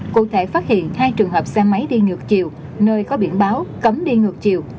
cụ thể phát hiện hai trường hợp xe máy đi ngược chiều nơi có biển báo cấm đi ngược chiều